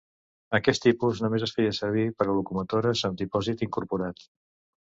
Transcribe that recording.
Aquest tipus només es feia servir per a locomotores amb dipòsit incorporat.